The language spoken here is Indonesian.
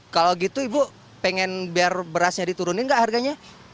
kalau gitu ibu pengen biar berasnya diturunin nggak harganya